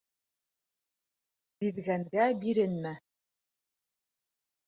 Биҙгәнгә биренмә.